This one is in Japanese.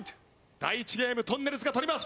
第１ゲームとんねるずが取ります。